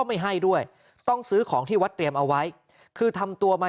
ไม่ให้ด้วยต้องซื้อของที่วัดเตรียมเอาไว้คือทำตัวมา